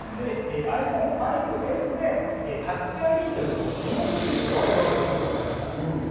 ｉＰｈｏｎｅ５ＳでＴｏｕｃｈＩＤと言って指紋認証が搭載されました。